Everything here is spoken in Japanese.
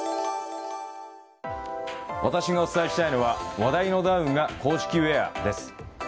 私がお伝えしたいのは話題のダウンが公式ウェアです。